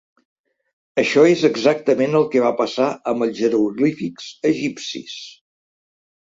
Això és exactament el que va passar amb els jeroglífics egipcis.